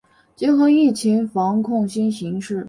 结合疫情防控新形势